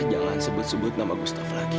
jangan sebut sebut nama gustaf lagi